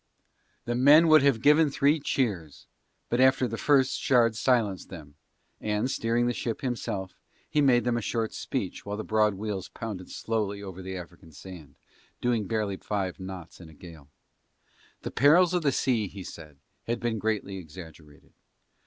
The men would have given three cheers, but after the first Shard silenced them and, steering the ship himself, he made them a short speech while the broad wheels pounded slowly over the African sand, doing barely five knots in a gale. The perils of the sea he said had been greatly exaggerated.